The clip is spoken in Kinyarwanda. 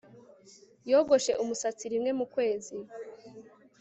yogoshe umusatsi rimwe mu kwezi